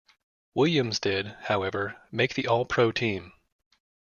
Williams did, however, make the All-Pro team.